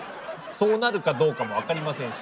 そうなるかどうかも分かりませんし。